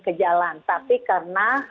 ke jalan tapi karena